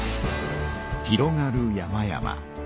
広がる山々。